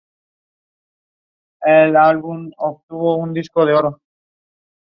La temporada de anidación al noroeste de la Patagonia es de septiembre hasta abril.